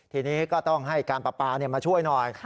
ทีนี้ก็ต้องให้การปลาปลามาช่วยหน่อย